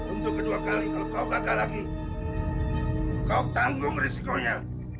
untuk kedua kali kalau kau gagal lagi kau tanggung risikonya